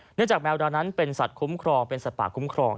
เนื่องจากแมวดาวนั้นเป็นสัตว์ป่าคุ้มครอง